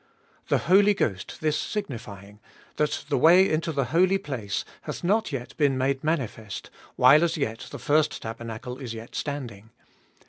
The Holy Ghost this signifying, that the way into the Holy Place hath not yet been made manifest, while as the first tabernacle is yet standing ; 9.